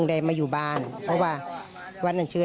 ดีอย่างนี้